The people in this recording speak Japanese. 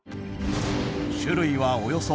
種類はおよそ８０。